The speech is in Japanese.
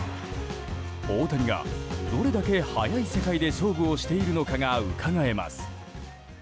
大谷がどれだけ速い世界で勝負をしているのかがうかがえます。